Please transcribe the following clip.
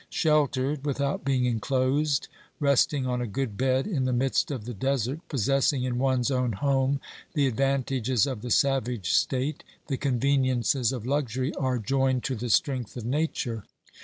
Sheltered, without being enclosed, resting on a good bed in the midst of the desert, possessing in one's own home the advantages of the savage state, the conveniences of luxury are joined to the strength of Nature.